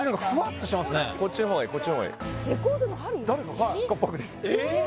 もうこっちの方がいいこっちの方がいい誰が僕ですええ